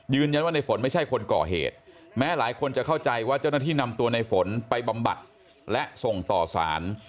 ในฝนไม่ใช่คนก่อเหตุแม้หลายคนจะเข้าใจว่าเจ้าหน้าที่นำตัวในฝนไปบำบัดและส่งต่อสาร